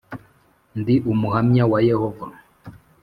ndi Umuhamya wa Yehova